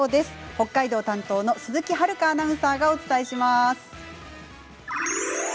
北海道担当の鈴木遥アナウンサーがお伝えします。